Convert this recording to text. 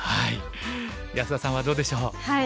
安田さんはどうでしょう？